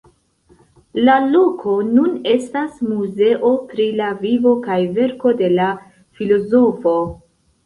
La loko nun estas muzeo pri la vivo kaj verko de la filozofo.